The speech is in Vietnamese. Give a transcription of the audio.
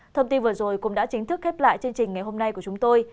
thông tin vừa rồi cũng đã chính thức khép lại chương trình ngày hôm nay của chúng tôi